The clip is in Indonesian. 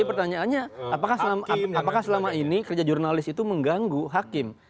jadi pertanyaannya apakah selama ini kerja jurnalis itu mengganggu hakim